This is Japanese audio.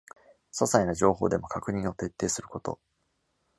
ささいな情報でも確認を徹底すること